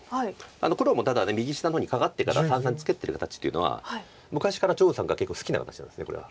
黒もただ右下の方にカカってから三々にツケてる形というのは昔から張栩さんが結構好きな形なんですこれは。